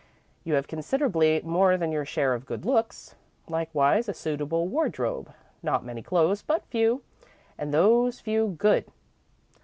You have considerably more than your share of good looks. Likewise a suitable wardrobe; not many clothes, but few, and those few, good.